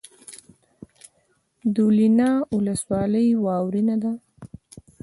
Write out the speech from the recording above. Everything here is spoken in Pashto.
دولینه ولسوالۍ واورین ده؟